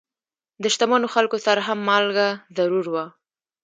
د شتمنو خلکو سره هم مالګه ضرور وه.